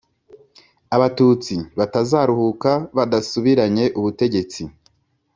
abatutsi batazaruhuka badasubiranye ubutegetsi